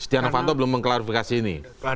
stianovanto belum mengklarifikasi ini